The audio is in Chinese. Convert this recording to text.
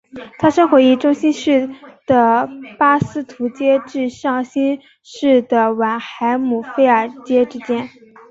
它生活于中新世的巴斯图阶至上新世的晚亥姆菲尔阶之间。